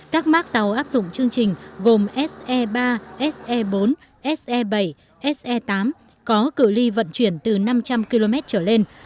các mác tàu áp dụng chương trình gồm se ba se bốn se bảy se tám có cự li vận chuyển từ năm trăm linh km trở lên